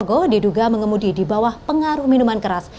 logo diduga mengemudi di bawah pengaruh minuman keras